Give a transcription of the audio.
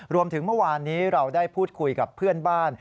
เมื่อวานนี้เราได้พูดคุยกับเพื่อนบ้าน